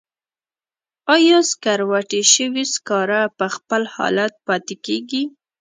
آیا سکروټې شوي سکاره په خپل حالت پاتې کیږي؟